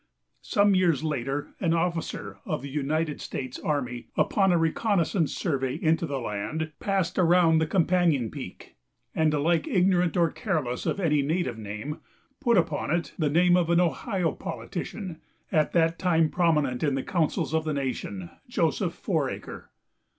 Some years later an officer of the United States army, upon a reconnoissance survey into the land, passed around the companion peak, and, alike ignorant or careless of any native name, put upon it the name of an Ohio politician, at that time prominent in the councils of the nation, Joseph Foraker.